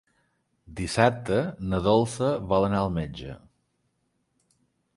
Dissabte na Dolça vol anar al metge.